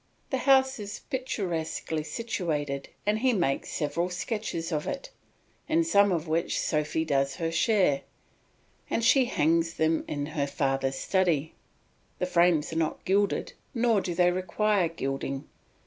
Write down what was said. The house is picturesquely situated and he makes several sketches of it, in some of which Sophy does her share, and she hangs them in her father's study. The frames are not gilded, nor do they require gilding.